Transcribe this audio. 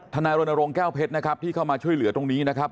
นายรณรงค์แก้วเพชรนะครับที่เข้ามาช่วยเหลือตรงนี้นะครับ